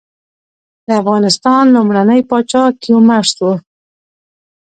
د افغانستان لومړنی پاچا کيومرث وه.